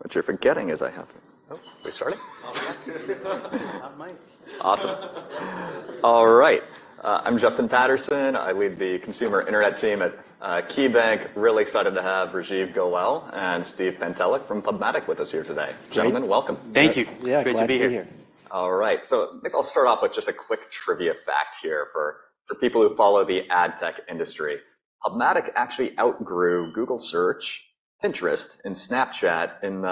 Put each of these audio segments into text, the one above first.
What you're forgetting is I have, oh, are we starting? Oh yeah. It's not Mike. Awesome. All right. I'm Justin Patterson. I lead the consumer internet team at KeyBanc. Really excited to have Rajeev Goel and Steve Pantelick from PubMatic with us here today. Gentlemen, welcome. Hey. Thank you. Yeah. Great to be here. Great to be here. All right. So maybe I'll start off with just a quick trivia fact here for people who follow the ad tech industry. PubMatic actually outgrew Google Search, Pinterest, and Snapchat in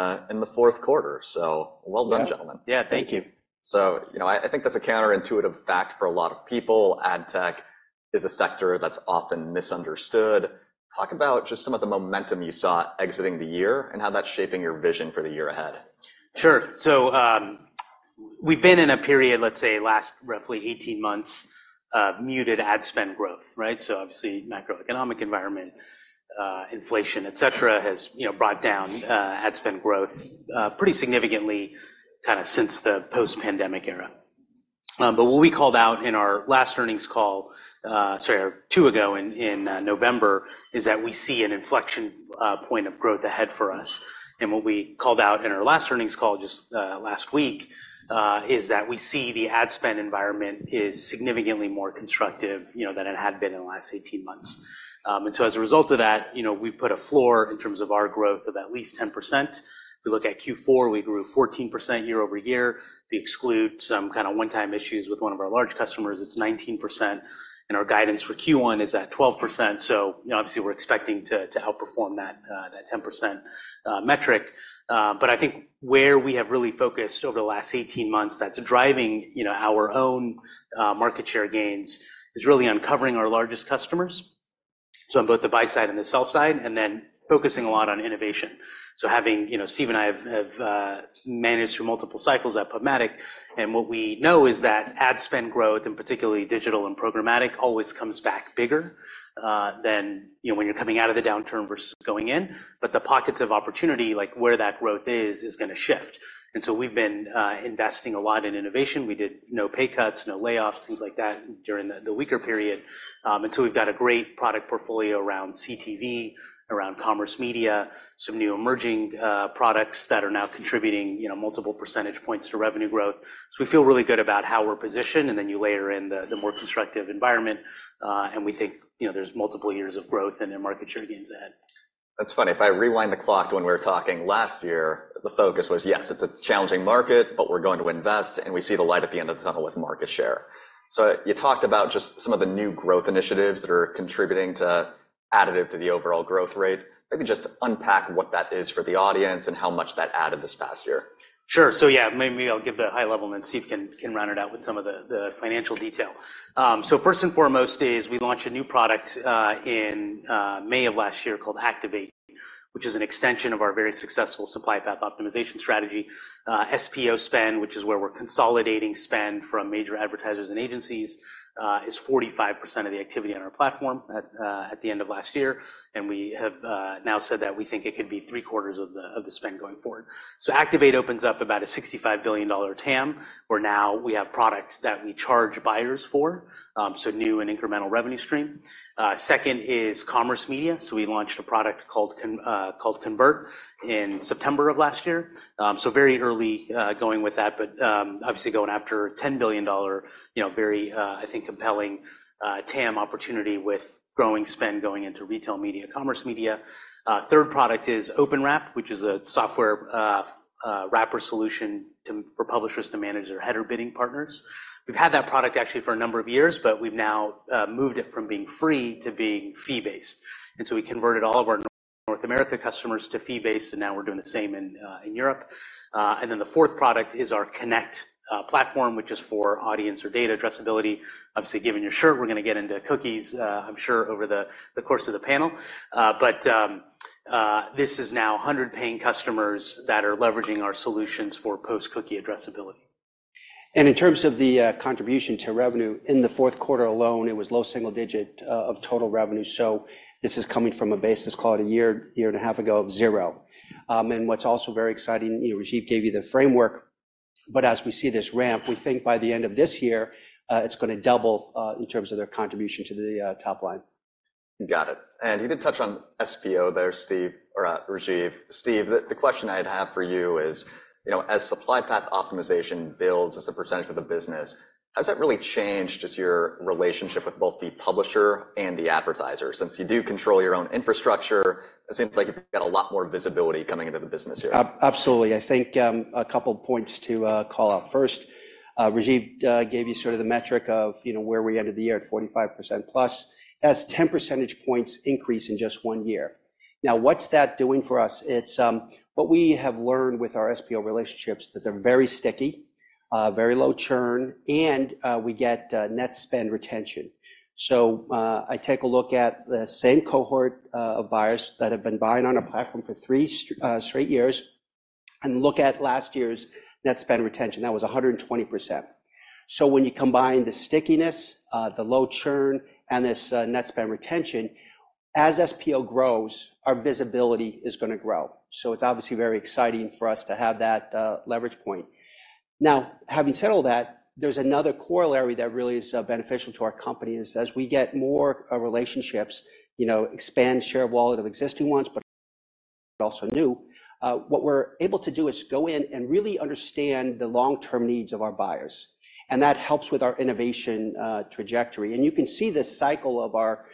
the fourth quarter. So well done, gentlemen. Yeah. Yeah. Thank you. You know, I, I think that's a counterintuitive fact for a lot of people. Ad tech is a sector that's often misunderstood. Talk about just some of the momentum you saw exiting the year and how that's shaping your vision for the year ahead. Sure. So, we've been in a period, let's say, last roughly 18 months, muted ad spend growth, right? So obviously, macroeconomic environment, inflation, etc., has, you know, brought down ad spend growth pretty significantly kinda since the post-pandemic era. But what we called out in our last earnings call, sorry, or two ago in November, is that we see an inflection point of growth ahead for us. And what we called out in our last earnings call just last week is that we see the ad spend environment is significantly more constructive, you know, than it had been in the last 18 months. And so as a result of that, you know, we've put a floor in terms of our growth of at least 10%. We look at Q4, we grew 14% year-over-year. If you exclude some kinda one-time issues with one of our large customers, it's 19%. Our guidance for Q1 is at 12%. So, you know, obviously, we're expecting to outperform that 10% metric. But I think where we have really focused over the last 18 months that's driving, you know, our own market share gains is really uncovering our largest customers on both the buy side and the sell side and then focusing a lot on innovation. So having, you know, Steve and I have managed through multiple cycles at PubMatic. What we know is that ad spend growth, and particularly digital and programmatic, always comes back bigger than, you know, when you're coming out of the downturn versus going in. But the pockets of opportunity, like where that growth is, is gonna shift. So we've been investing a lot in innovation. We did no pay cuts, no layoffs, things like that during the, the weaker period. And so we've got a great product portfolio around CTV, around commerce media, some new emerging products that are now contributing, you know, multiple percentage points to revenue growth. So we feel really good about how we're positioned. And then you layer in the, the more constructive environment, and we think, you know, there's multiple years of growth and, and market share gains ahead. That's funny. If I rewind the clock to when we were talking last year, the focus was, yes, it's a challenging market, but we're going to invest, and we see the light at the end of the tunnel with market share. So you talked about just some of the new growth initiatives that are contributing additively to the overall growth rate. Maybe just unpack what that is for the audience and how much that added this past year. Sure. So yeah. Maybe I'll give the high level, and then Steve can, can round it out with some of the, the financial detail. So first and foremost, we launched a new product in May of last year called Activate, which is an extension of our very successful supply path optimization strategy. SPO spend, which is where we're consolidating spend from major advertisers and agencies, is 45% of the activity on our platform at the end of last year. And we have now said that we think it could be three-quarters of the spend going forward. So Activate opens up about a $65 billion TAM where now we have products that we charge buyers for, so new and incremental revenue stream. Second is commerce media. So we launched a product called Convert in September of last year. So very early going with that. But, obviously, going after a $10 billion, you know, very, I think, compelling, TAM opportunity with growing spend going into retail media, commerce media. The third product is OpenWrap, which is a software wrapper solution for publishers to manage their header bidding partners. We've had that product actually for a number of years, but we've now moved it from being free to being fee-based. And so we converted all of our North America customers to fee-based, and now we're doing the same in Europe. And then the fourth product is our Connect platform, which is for audience or data addressability. Obviously, given your shirt, we're gonna get into cookies, I'm sure, over the course of the panel. But this is now 100 paying customers that are leveraging our solutions for post-cookie addressability. In terms of the contribution to revenue, in the fourth quarter alone, it was low single digit of total revenue. So this is coming from a basis call it a year, year and a half ago of zero. And what's also very exciting, you know, Rajeev gave you the framework. But as we see this ramp, we think by the end of this year, it's gonna double, in terms of their contribution to the top line. Got it. And you did touch on SPO there, Steve or Rajeev. Steve, the question I had to have for you is, you know, as supply path optimization builds as a percentage of the business, has that really changed just your relationship with both the publisher and the advertiser? Since you do control your own infrastructure, it seems like you've got a lot more visibility coming into the business here. Absolutely. I think a couple points to call out. First, Rajeev gave you sort of the metric of, you know, where we ended the year at 45% plus, a 10 percentage points increase in just one year. Now, what's that doing for us? It's what we have learned with our SPO relationships that they're very sticky, very low churn, and we get net spend retention. So I take a look at the same cohort of buyers that have been buying on our platform for three straight years and look at last year's net spend retention. That was 120%. So when you combine the stickiness, the low churn, and this net spend retention, as SPO grows, our visibility is gonna grow. So it's obviously very exciting for us to have that leverage point. Now, having said all that, there's another corollary that really is beneficial to our company is as we get more relationships, you know, expand share of wallet of existing ones but also new, what we're able to do is go in and really understand the long-term needs of our buyers. And that helps with our innovation trajectory. And you can see this cycle of our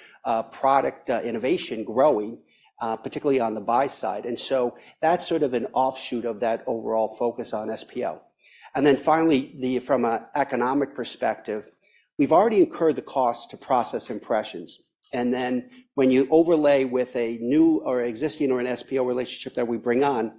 product innovation growing, particularly on the buy side. And so that's sort of an offshoot of that overall focus on SPO. And then finally, from an economic perspective, we've already incurred the cost to process impressions. And then when you overlay with a new or existing or an SPO relationship that we bring on,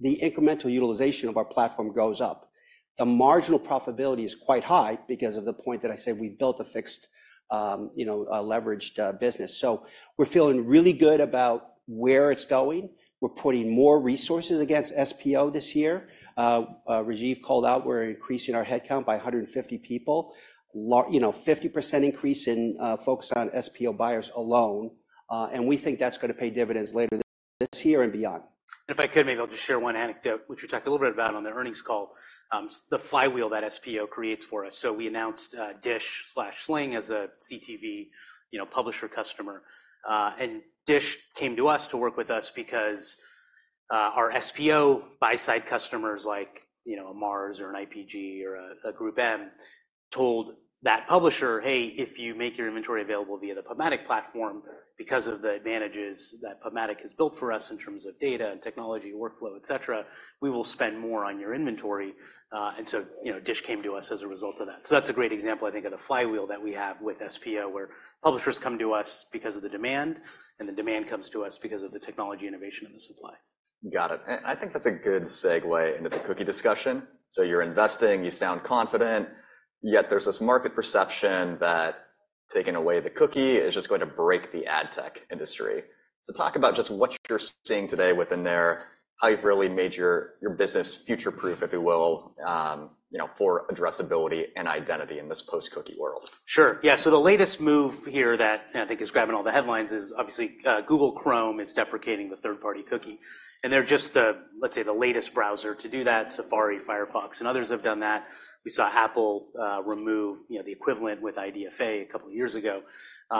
the incremental utilization of our platform goes up. The marginal profitability is quite high because of the point that I said we built a fixed, you know, leveraged business. So we're feeling really good about where it's going. We're putting more resources against SPO this year. Rajeev called out we're increasing our headcount by 150 people, you know, 50% increase in focus on SPO buyers alone. And we think that's gonna pay dividends later this year and beyond. And if I could, maybe I'll just share one anecdote, which we talked a little bit about on the earnings call. So the flywheel that SPO creates for us. So we announced Dish/Sling as a CTV, you know, publisher customer. Dish came to us to work with us because our SPO buy-side customers like, you know, a Mars or an IPG or a GroupM told that publisher, "Hey, if you make your inventory available via the PubMatic platform because of the advantages that PubMatic has built for us in terms of data and technology workflow, etc., we will spend more on your inventory." So, you know, Dish came to us as a result of that. So that's a great example, I think, of the flywheel that we have with SPO where publishers come to us because of the demand, and the demand comes to us because of the technology innovation in the supply. Got it. And I think that's a good segue into the cookie discussion. So you're investing, you sound confident, yet there's this market perception that taking away the cookie is just going to break the ad tech industry. So talk about just what you're seeing today within there, how you've really made your business future-proof, if you will, you know, for addressability and identity in this post-cookie world. Sure. Yeah. So the latest move here that, I think is grabbing all the headlines is obviously, Google Chrome is deprecating the third-party cookie. And they're just the, let's say, the latest browser to do that. Safari, Firefox, and others have done that. We saw Apple remove, you know, the equivalent with IDFA a couple of years ago.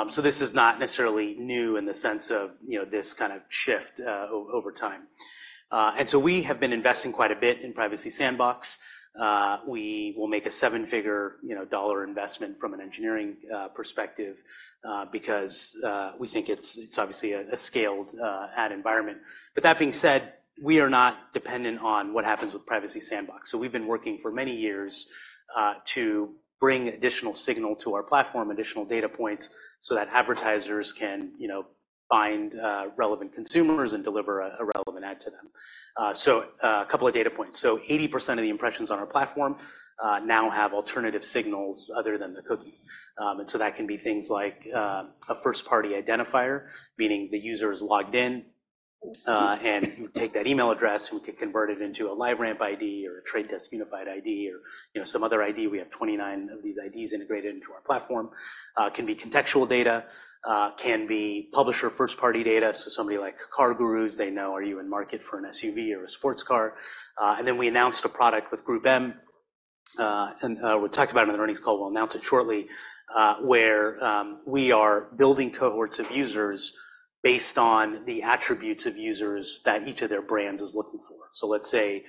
So this is not necessarily new in the sense of, you know, this kind of shift over time. And so we have been investing quite a bit in Privacy Sandbox. We will make a seven-figure, you know, dollar investment from an engineering perspective, because we think it's obviously a scaled ad environment. But that being said, we are not dependent on what happens with Privacy Sandbox. So we've been working for many years to bring additional signal to our platform, additional data points, so that advertisers can, you know, find relevant consumers and deliver a relevant ad to them. So a couple of data points. So 80% of the impressions on our platform now have alternative signals other than the cookie. And so that can be things like a first-party identifier, meaning the user is logged in, and you take that email address, and we can convert it into a LiveRamp ID or a Trade Desk Unified ID or, you know, some other ID. We have 29 of these IDs integrated into our platform. It can be contextual data, can be publisher first-party data. So somebody like CarGurus, they know, "Are you in market for an SUV or a sports car?" and then we announced a product with GroupM. We talked about it in the earnings call. We'll announce it shortly, where we are building cohorts of users based on the attributes of users that each of their brands is looking for. So let's say,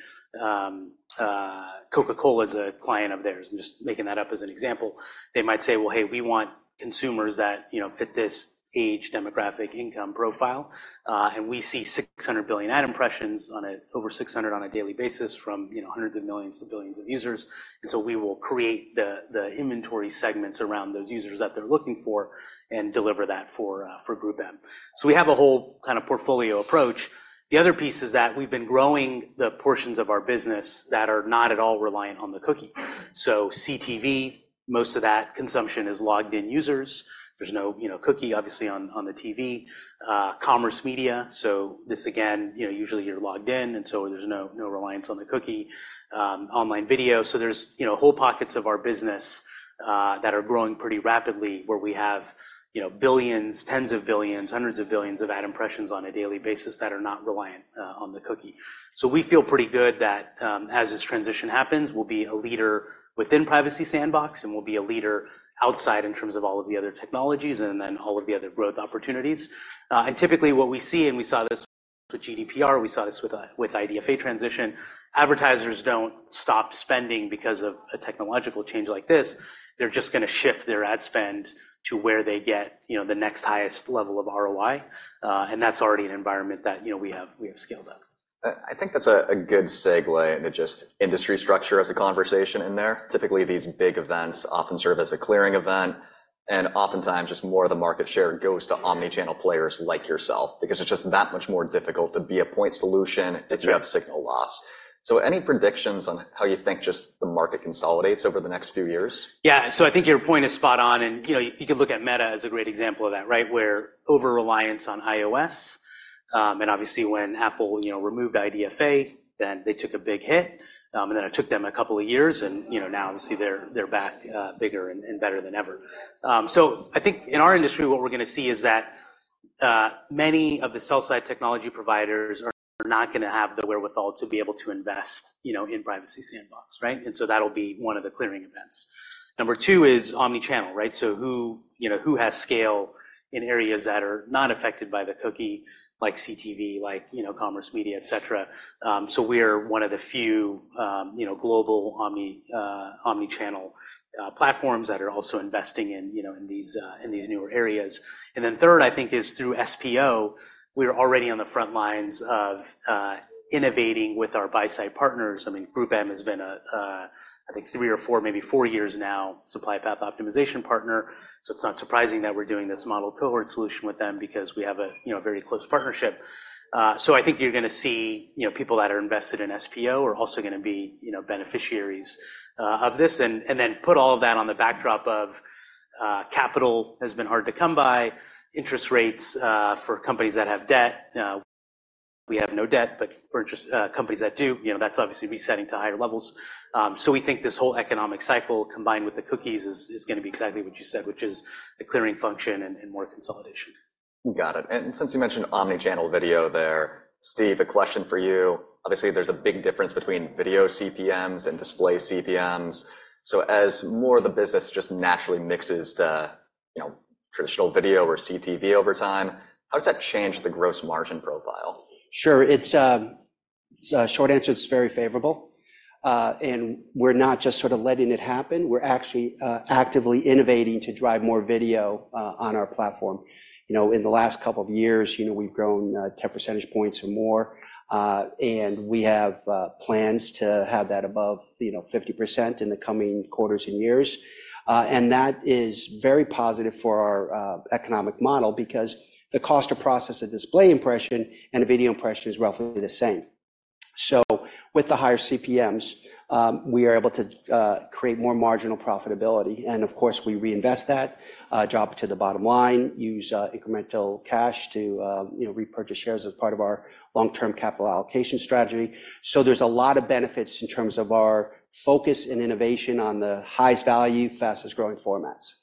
Coca-Cola is a client of theirs. I'm just making that up as an example. They might say, "Well, hey, we want consumers that, you know, fit this age, demographic, income profile. And we see 600 billion ad impressions, over 600 on a daily basis from, you know, hundreds of millions to billions of users. And so we will create the inventory segments around those users that they're looking for and deliver that for GroupM." So we have a whole kind of portfolio approach. The other piece is that we've been growing the portions of our business that are not at all reliant on the cookie. So CTV, most of that consumption is logged-in users. There's no, you know, cookie, obviously, on, on the TV. Commerce media, so this again, you know, usually you're logged in, and so there's no, no reliance on the cookie. Online video. So there's, you know, whole pockets of our business, that are growing pretty rapidly where we have, you know, billions, tens of billions, hundreds of billions of ad impressions on a daily basis that are not reliant, on the cookie. So we feel pretty good that, as this transition happens, we'll be a leader within Privacy Sandbox, and we'll be a leader outside in terms of all of the other technologies and then all of the other growth opportunities. Typically, what we see—and we saw this with GDPR, we saw this with the IDFA transition—advertisers don't stop spending because of a technological change like this. They're just gonna shift their ad spend to where they get, you know, the next highest level of ROI. And that's already an environment that, you know, we have scaled up. I think that's a good segue into just industry structure as a conversation in there. Typically, these big events often serve as a clearing event. Oftentimes, just more of the market share goes to omnichannel players like yourself because it's just that much more difficult to be a point solution if you have signal loss. So any predictions on how you think just the market consolidates over the next few years? Yeah. So I think your point is spot on. And, you know, you could look at Meta as a great example of that, right, where overreliance on iOS, and obviously, when Apple, you know, removed IDFA, then they took a big hit. And then it took them a couple of years, and, you know, now, obviously, they're, they're back, bigger and, and better than ever. So I think in our industry, what we're gonna see is that, many of the sell-side technology providers are not gonna have the wherewithal to be able to invest, you know, in Privacy Sandbox, right? And so that'll be one of the clearing events. Number two is omnichannel, right? So who, you know, who has scale in areas that are not affected by the cookie like CTV, like, you know, commerce media, etc.? So we are one of the few, you know, global omnichannel platforms that are also investing in, you know, in these newer areas. And then third, I think, is through SPO, we're already on the front lines of innovating with our buy-side partners. I mean, GroupM has been a, I think, 3 or 4, maybe 4 years now, supply path optimization partner. So it's not surprising that we're doing this model cohort solution with them because we have a, you know, very close partnership. So I think you're gonna see, you know, people that are invested in SPO are also gonna be, you know, beneficiaries of this. And then put all of that on the backdrop of capital has been hard to come by, interest rates, for companies that have debt. We have no debt, but for interest, companies that do, you know, that's obviously resetting to higher levels. So we think this whole economic cycle combined with the cookies is, is gonna be exactly what you said, which is the clearing function and, and more consolidation. Got it. And since you mentioned omnichannel video there, Steve, a question for you. Obviously, there's a big difference between video CPMs and display CPMs. So as more of the business just naturally mixes to, you know, traditional video or CTV over time, how does that change the gross margin profile? Sure. It's a short answer, it's very favorable. We're not just sort of letting it happen. We're actually actively innovating to drive more video on our platform. You know, in the last couple of years, you know, we've grown 10 percentage points or more. We have plans to have that above, you know, 50% in the coming quarters and years. That is very positive for our economic model because the cost to process a display impression and a video impression is roughly the same. So with the higher CPMs, we are able to create more marginal profitability. And of course, we reinvest that, drop it to the bottom line, use incremental cash to, you know, repurchase shares as part of our long-term capital allocation strategy. So there's a lot of benefits in terms of our focus and innovation on the highest value, fastest-growing formats.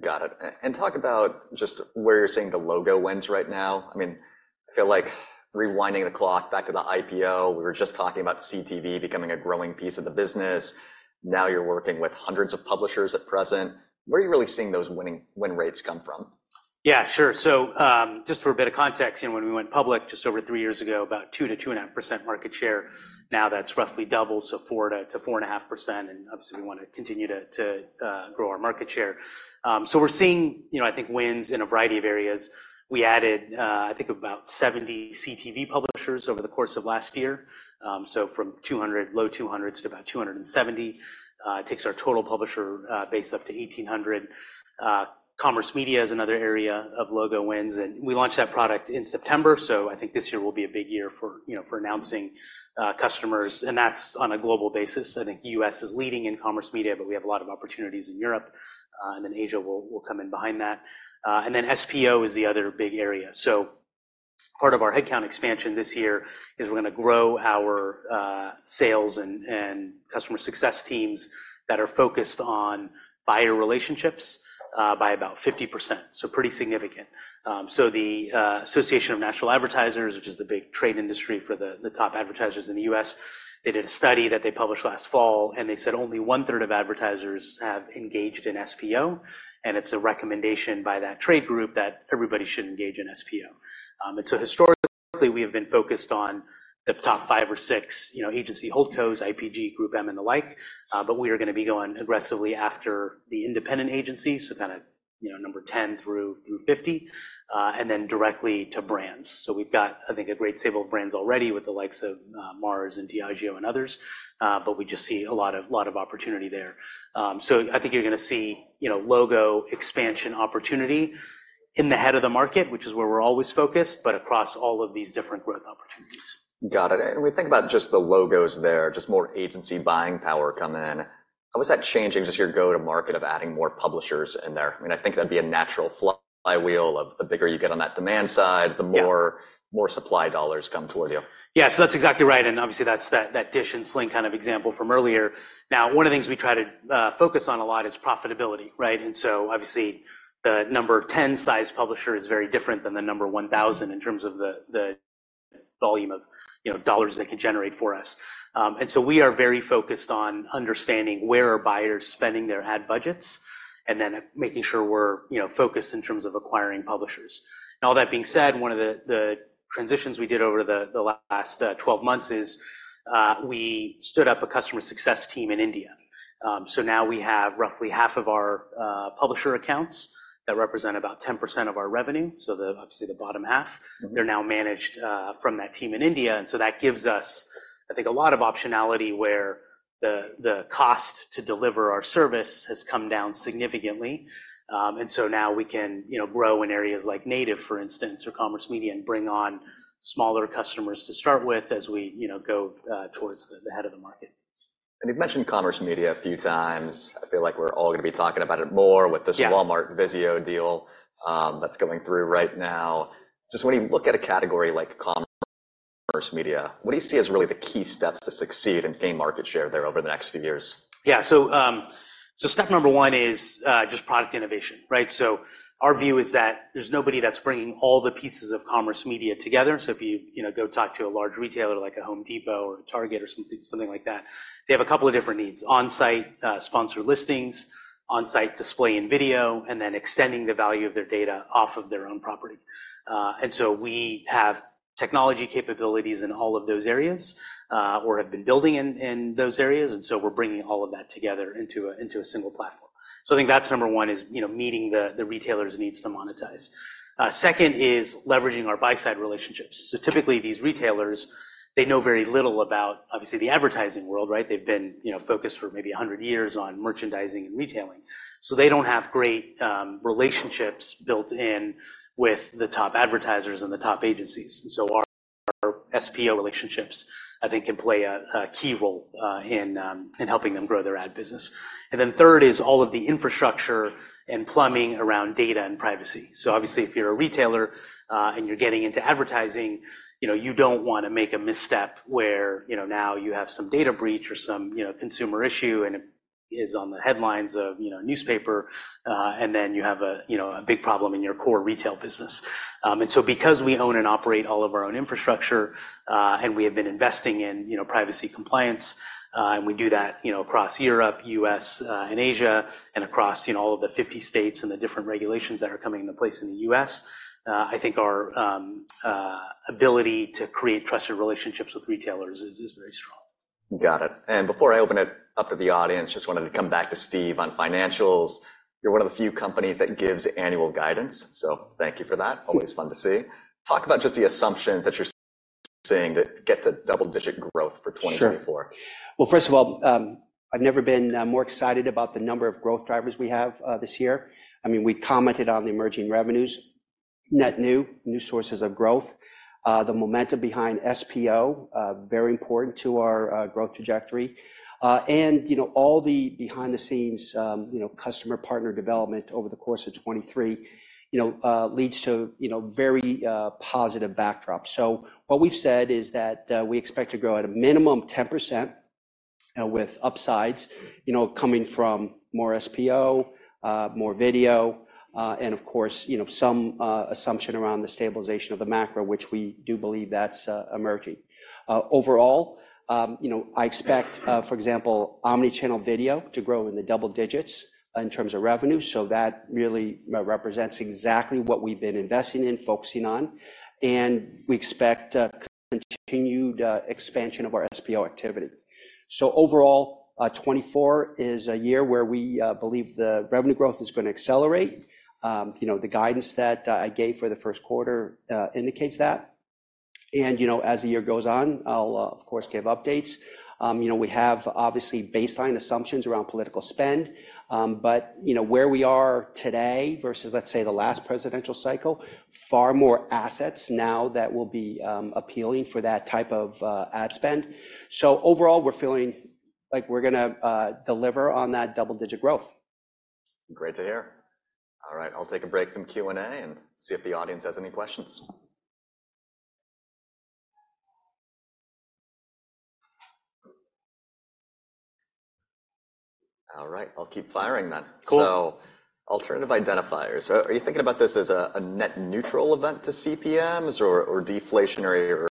Got it. And talk about just where you're seeing the logo wins right now. I mean, I feel like rewinding the clock back to the IPO, we were just talking about CTV becoming a growing piece of the business. Now you're working with hundreds of publishers at present. Where are you really seeing those winning win rates come from? Yeah. Sure. So, just for a bit of context, you know, when we went public just over three years ago, about 2%-2.5% market share. Now that's roughly doubled, so 4%-4.5%. And obviously, we wanna continue to grow our market share. So we're seeing, you know, I think, wins in a variety of areas. We added, I think, about 70 CTV publishers over the course of last year. So from 200, low 200s to about 270. It takes our total publisher base up to 1,800. Commerce media is another area of logo wins. And we launched that product in September. So I think this year will be a big year for, you know, for announcing, customers. And that's on a global basis. I think the U.S. is leading in commerce media, but we have a lot of opportunities in Europe. Then Asia will come in behind that. SPO is the other big area. So part of our headcount expansion this year is we're gonna grow our sales and customer success teams that are focused on buyer relationships by about 50%. So pretty significant. The Association of National Advertisers, which is the big trade industry for the top advertisers in the U.S., did a study that they published last fall, and they said only one-third of advertisers have engaged in SPO. It's a recommendation by that trade group that everybody should engage in SPO. Historically, we have been focused on the top five or six, you know, agency holdcos, IPG, GroupM, and the like. But we are gonna be going aggressively after the independent agencies, so kind of, you know, number 10 through 50, and then directly to brands. So we've got, I think, a great stable of brands already with the likes of Mars and Diageo and others. But we just see a lot of opportunity there. So I think you're gonna see, you know, logo expansion opportunity in the head of the market, which is where we're always focused, but across all of these different growth opportunities. Got it. And when we think about just the logos there, just more agency buying power come in, how is that changing just your go-to-market of adding more publishers in there? I mean, I think that'd be a natural flywheel of the bigger you get on that demand side, the more, more supply dollars come toward you. Yeah. So that's exactly right. And obviously, that's that Dish and Sling kind of example from earlier. Now, one of the things we try to focus on a lot is profitability, right? And so obviously, the number 10-sized publisher is very different than the number 1,000 in terms of the volume of, you know, dollars they can generate for us. And so we are very focused on understanding where are buyers spending their ad budgets and then making sure we're, you know, focused in terms of acquiring publishers. And all that being said, one of the transitions we did over the last 12 months is we stood up a customer success team in India. So now we have roughly half of our publisher accounts that represent about 10% of our revenue. So obviously, the bottom half, they're now managed from that team in India. And so that gives us, I think, a lot of optionality where the cost to deliver our service has come down significantly. And so now we can, you know, grow in areas like native, for instance, or commerce media and bring on smaller customers to start with as we, you know, go towards the head of the market. You've mentioned commerce media a few times. I feel like we're all gonna be talking about it more with this Walmart Vizio deal, that's going through right now. Just when you look at a category like commerce media, what do you see as really the key steps to succeed and gain market share there over the next few years? Yeah. So, so step number one is, just product innovation, right? So our view is that there's nobody that's bringing all the pieces of commerce media together. So if you, you know, go talk to a large retailer like a Home Depot or Target or something, something like that, they have a couple of different needs: on-site, sponsored listings, on-site display and video, and then extending the value of their data off of their own property. And so we have technology capabilities in all of those areas, or have been building in, in those areas. And so we're bringing all of that together into a into a single platform. So I think that's number one is, you know, meeting the, the retailer's needs to monetize. Second is leveraging our buy-side relationships. So typically, these retailers, they know very little about, obviously, the advertising world, right? They've been, you know, focused for maybe 100 years on merchandising and retailing. So they don't have great relationships built in with the top advertisers and the top agencies. And so our SPO relationships, I think, can play a key role in helping them grow their ad business. And then third is all of the infrastructure and plumbing around data and privacy. So obviously, if you're a retailer and you're getting into advertising, you know, you don't wanna make a misstep where, you know, now you have some data breach or some, you know, consumer issue, and it is on the headlines of, you know, a newspaper, and then you have a, you know, a big problem in your core retail business. Because we own and operate all of our own infrastructure, and we have been investing in, you know, privacy compliance, and we do that, you know, across Europe, US, and Asia, and across, you know, all of the 50 states and the different regulations that are coming into place in the US, I think our ability to create trusted relationships with retailers is, is very strong. Got it. Before I open it up to the audience, just wanted to come back to Steve on financials. You're one of the few companies that gives annual guidance. So thank you for that. Always fun to see. Talk about just the assumptions that you're seeing that get to double-digit growth for 2024. Sure. Well, first of all, I've never been more excited about the number of growth drivers we have this year. I mean, we commented on the emerging revenues, net new, new sources of growth, the momentum behind SPO, very important to our growth trajectory. You know, all the behind-the-scenes, you know, customer partner development over the course of 2023, you know, leads to, you know, very positive backdrop. So what we've said is that we expect to grow at a minimum 10%, with upsides, you know, coming from more SPO, more video, and of course, you know, some assumption around the stabilization of the macro, which we do believe that's emerging. Overall, you know, I expect, for example, Omnichannel video to grow in the double digits, in terms of revenue. So that really represents exactly what we've been investing in, focusing on. And we expect continued expansion of our SPO activity. So overall, 2024 is a year where we believe the revenue growth is gonna accelerate. You know, the guidance that I gave for the first quarter indicates that. And you know, as the year goes on, I'll of course give updates. You know, we have obviously baseline assumptions around political spend. But you know, where we are today versus let's say the last presidential cycle, far more assets now that will be appealing for that type of ad spend. So overall, we're feeling like we're gonna deliver on that double-digit growth. Great to hear. All right. I'll take a break from Q&A and see if the audience has any questions. All right. I'll keep firing then. So. Cool. Alternative identifiers. Are you thinking about this as a, a net neutral event to CPMs or, or deflationary or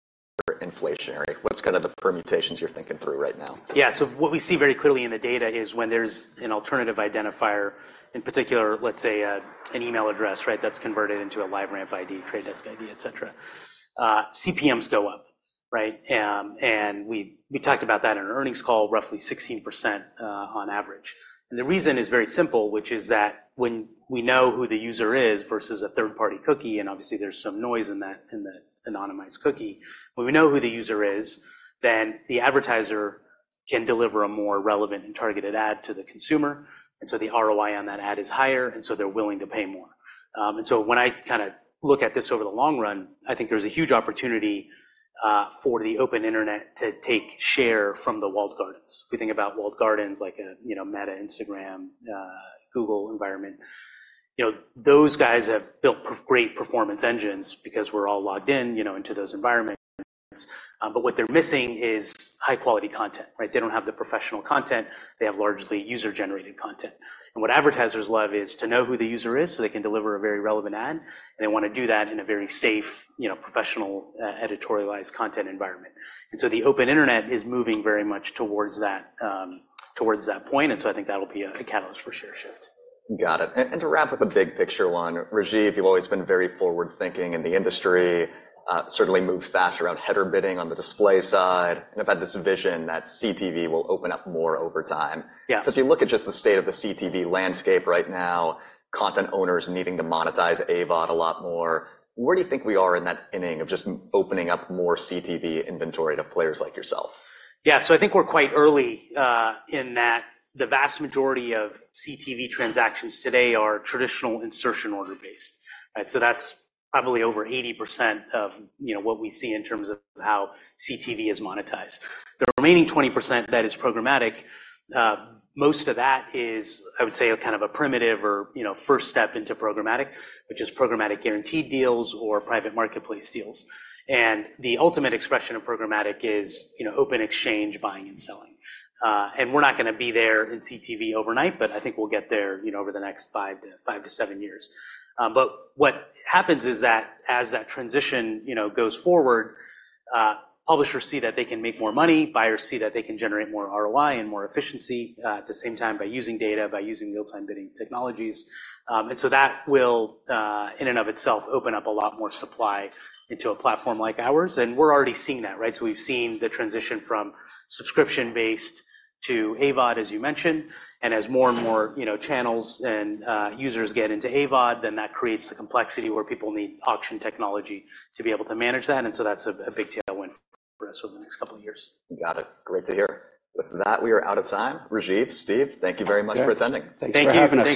inflationary? What's kind of the permutations you're thinking through right now? Yeah. So what we see very clearly in the data is when there's an alternative identifier, in particular, let's say, an email address, right, that's converted into a LiveRamp ID, Trade Desk ID, etc., CPMs go up, right? And we talked about that in our earnings call, roughly 16%, on average. And the reason is very simple, which is that when we know who the user is versus a third-party cookie - and obviously, there's some noise in that in the anonymized cookie - when we know who the user is, then the advertiser can deliver a more relevant and targeted ad to the consumer. And so the ROI on that ad is higher, and so they're willing to pay more. And so when I kinda look at this over the long run, I think there's a huge opportunity for the open internet to take share from the walled gardens. If we think about walled gardens like a, you know, Meta Instagram, Google environment, you know, those guys have built great performance engines because we're all logged in, you know, into those environments. But what they're missing is high-quality content, right? They don't have the professional content. They have largely user-generated content. And what advertisers love is to know who the user is so they can deliver a very relevant ad. And they wanna do that in a very safe, you know, professional, editorialized content environment. And so the open internet is moving very much towards that, towards that point. And so I think that'll be a, a catalyst for share shift. Got it. And to wrap with the big picture one, Rajeev, you've always been very forward-thinking in the industry, certainly moved fast around Header Bidding on the display side, and have had this vision that CTV will open up more over time. Yeah. So as you look at just the state of the CTV landscape right now, content owners needing to monetize AVOD a lot more, where do you think we are in that inning of just opening up more CTV inventory to players like yourself? Yeah. So I think we're quite early, in that the vast majority of CTV transactions today are traditional insertion order-based, right? So that's probably over 80% of, you know, what we see in terms of how CTV is monetized. The remaining 20% that is programmatic, most of that is, I would say, kind of a primitive or, you know, first step into programmatic, which is programmatic guaranteed deals or private marketplace deals. And the ultimate expression of programmatic is, you know, open exchange buying and selling, and we're not gonna be there in CTV overnight, but I think we'll get there, you know, over the next 5 to 5 to 7 years. But what happens is that as that transition, you know, goes forward, publishers see that they can make more money. Buyers see that they can generate more ROI and more efficiency, at the same time by using data, by using real-time bidding technologies. And so that will, in and of itself, open up a lot more supply into a platform like ours. And we're already seeing that, right? So we've seen the transition from subscription-based to AVOD, as you mentioned. And as more and more, you know, channels and, users get into AVOD, then that creates the complexity where people need auction technology to be able to manage that. And so that's a, a big tailwind for us over the next couple of years. Got it. Great to hear. With that, we are out of time. Rajeev, Steve, thank you very much for attending. Yeah. Thanks for having us. Thank you.